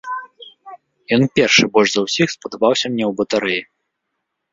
Ён першы больш за ўсіх спадабаўся мне ў батарэі.